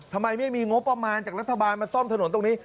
ทำไมไม่มีงบประมาณจากรัฐบาลมาซ่อมถนนตรงนี้